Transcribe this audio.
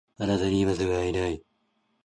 あなたに今すぐ会いたい